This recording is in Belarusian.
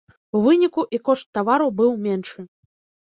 У выніку і кошт тавару быў меншы.